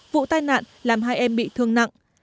vụ tai nạn làm hai em bị thương nặng